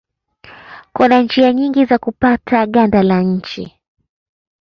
Kuna njia nyingi za kupata ganda la nje.